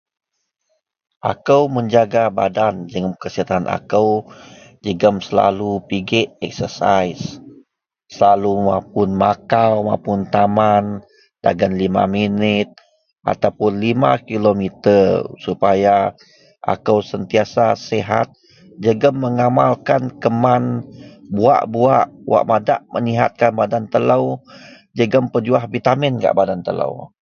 akou menjaga badan jegum kasihatan akou jegum selalu pigek exercise, selalu mapun makau mapun taman dagen lima minit ataupun lima kilometer supaya akou sentiasa sihat jegum mengamalkan keman buak-buak wak madak menyihatkan badan telou jegum pejuah vitamin gak badan telou